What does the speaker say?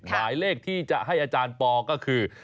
หมายเลขที่จะให้อาจารย์ปอก็คือ